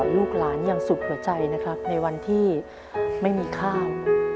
ลูกหลานอย่างสุดหัวใจในวันที่ไม่มีข้าว